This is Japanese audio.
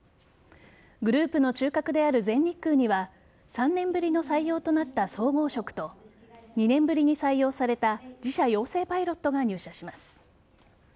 グループの中核である全日空には３年ぶりの採用となった総合職と２年ぶりに採用された自社養成パイロットが入社します。